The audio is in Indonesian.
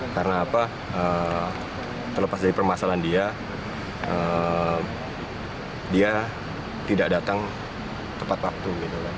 karena apa terlepas dari permasalahan dia dia tidak datang tepat waktu